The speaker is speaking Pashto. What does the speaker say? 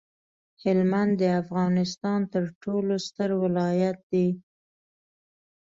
هلمند د افغانستان ترټولو ستر ولایت دی